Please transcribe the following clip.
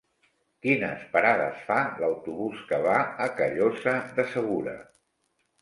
Quines parades fa l'autobús que va a Callosa de Segura?